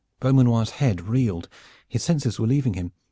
Beaumanoir's head reeled. His senses were leaving him.